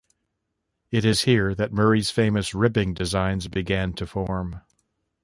It is here that Murray's famous ribbing designs began to form.